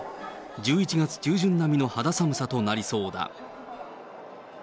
１１月中旬並みの肌寒さとなりそうだ。